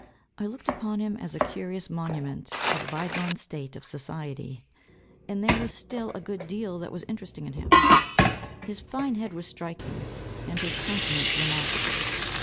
I looked upon him as a curious monument of a bygone state of society; and there was still a good deal that was interesting in him. His fine head was striking, and his countenance remarkable.